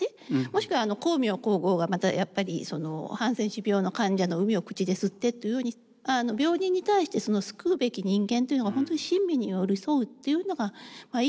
もしくは光明皇后がまたやっぱりハンセン氏病の患者のうみを口で吸ってというふうに病人に対してその救うべき人間というのが本当に親身に寄り添うっていうのが医療の本質である。